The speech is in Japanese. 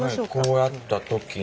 こうやった時に。